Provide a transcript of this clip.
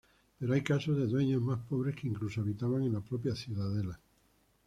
Pero hay casos de dueños más pobres que incluso habitaban en la propia ciudadela.